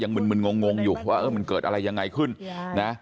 มึนงงงอยู่ว่าเออมันเกิดอะไรยังไงขึ้นนะ